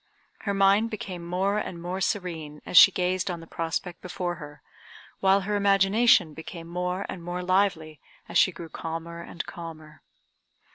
Her mind became more and more serene as she gazed on the prospect before her, while her imagination became more and more lively as she grew calmer and calmer.